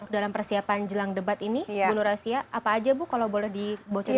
dalam persiapan jelang debat ini bu nur asia apa aja bu kalau boleh dibocorkan